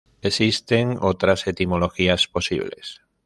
Existen otras etimologías posibles.